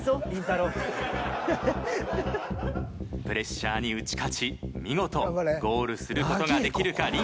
プレッシャーに打ち勝ち見事ゴールする事ができるか。